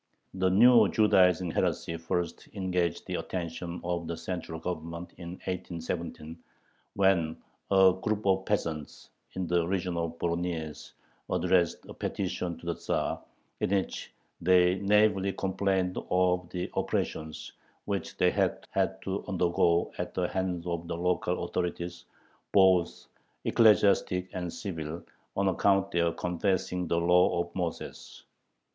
The new "Judaizing" heresy first engaged the attention of the central Government in 1817, when a group of peasants in the region of Voronyezh addressed a petition to the Tzar in which they naively complained of "the oppressions which they had had to undergo at the hands of the local authorities, both ecclesiastic and civil, on account of their confessing the law of Moses."